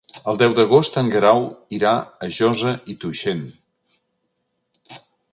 El deu d'agost en Guerau irà a Josa i Tuixén.